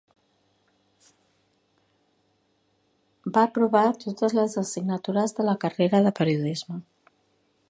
Va aprovar totes les assignatures de la carrera de Periodisme.